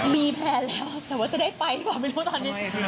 มีแพลนแล้วแต่ว่าจะได้ไปหรือเปล่าไม่รู้ตอนนี้